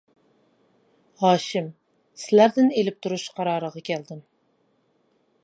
ھاشىم: سىلەردىن ئېلىپ تۇرۇش قارارىغا كەلدىم.